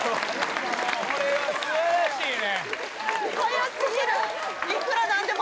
これは素晴らしいね。